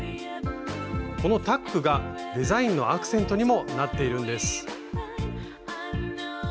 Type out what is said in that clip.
このタックがデザインのアクセントにもなっているんです。